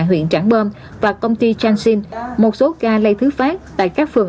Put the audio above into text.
huyện trảng bơm và công ty jansim một số ca lây thứ phát tại các phường